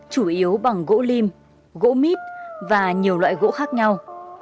chủ yếu bằng gỗ lim gỗ mít và nhiều loại gỗ khác nhau